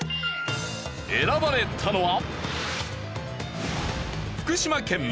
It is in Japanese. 選ばれたのは。